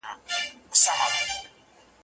خو چي خر یې بام ته پورته کړ حیران سو